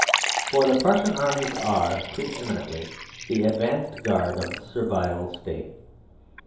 For the Prussian armies are, pre eminently, the advance guard of the Servile State.